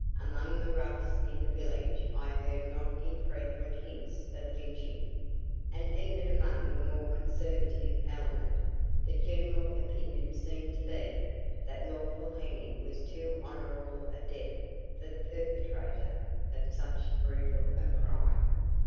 Among the roughs in the village I heard not infrequent hints of lynching; and even among the more conservative element, the general opinion seemed to be that lawful hanging was too honorable a death for the perpetrator of so brutal a crime.